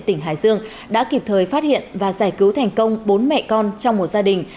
tỉnh hải dương đã kịp thời phát hiện và giải cứu thành công bốn mẹ con trong một gia đình